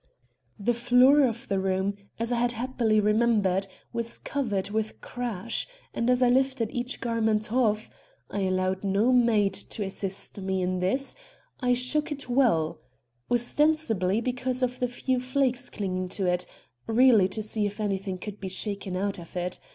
"The floor of the room, as I had happily remembered, was covered with crash, and as I lifted each garment off I allowed no maid to assist me in this I shook it well; ostensibly, because of the few flakes clinging to it, really to see if anything could be shaken out of it.